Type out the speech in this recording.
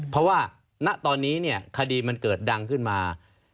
เพราะว่าณตอนนี้เนี่ยคดีมันเกิดดังขึ้นมา